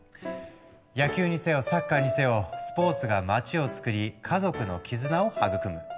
野球にせよサッカーにせよスポーツが街をつくり家族の絆を育む。